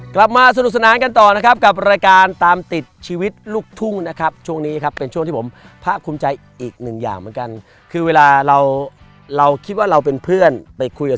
กลับมาสนุกสนานกันต่อนะครับกับรายการตามติดชีวิตลูกทุ่งนะครับช่วงนี้ครับเป็นช่วงที่ผมภาคภูมิใจอีกหนึ่งอย่างเหมือนกันคือเวลาเราเราคิดว่าเราเป็นเพื่อนไปคุยกับ